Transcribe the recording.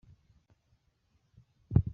Uyu mukobwa akomeje gutangaza abantu cyane.